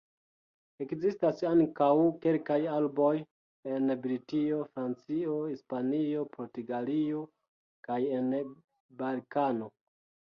Ekzistas ankaŭ kelkaj arboj en Britio, Francio, Hispanio, Portugalio kaj en Balkano.